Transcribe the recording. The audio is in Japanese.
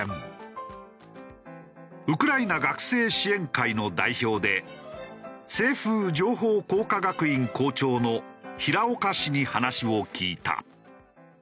ウクライナ学生支援会の代表で清風情報工科学院校長の平岡氏に話を聞いた。